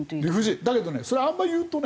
だけどねそれあんま言うとね。